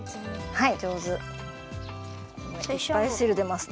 はい。